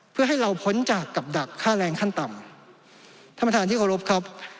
เพื่อให้เราพ้นจากกับดักค่าแรงขั้นต่ำท่านประธานที่เคารพครับ